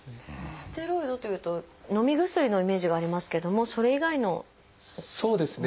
ステロイドというとのみ薬のイメージがありますけどもそれ以外のものなんですね。